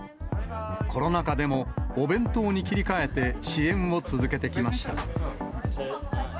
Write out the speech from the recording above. コロナ禍でも、お弁当に切り替えて支援を続けてきました。